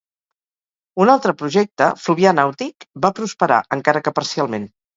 Un altre projecte, Fluvià Nàutic, va prosperar encara que parcialment.